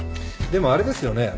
でもあれですよね？